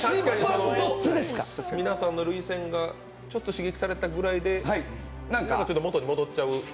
皆さんの涙腺がちょっと刺激されたくらいで、戻ってしまう。